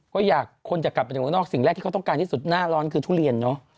ก็อยากคนจะกลับไปจากเมืองนอกสิ่งแรกที่เขาต้องการที่สุดหน้าร้อนคือทุเรียนเนอะ